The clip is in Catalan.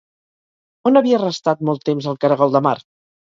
On havia restat molt temps el caragol de mar?